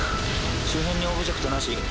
周辺にオブジェクトなし。